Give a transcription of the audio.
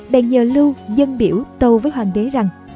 bèn nhờ lưu dân biểu tâu với hoàng đế rằng